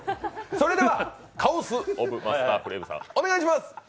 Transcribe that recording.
それではカオスオブマスターフレイムさんお願いします。